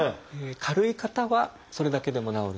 軽い方はそれだけでも治る。